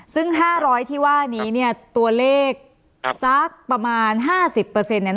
ซึ่ง๕๐๐ที่ว่านี้เนี่ยตัวเลขสักประมาณ๕๐เนี่ย